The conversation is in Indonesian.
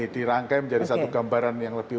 dirangkai menjadi satu gambaran yang lebih